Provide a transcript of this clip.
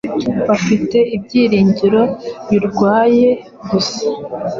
bafite ibyiringiro birwaye gusa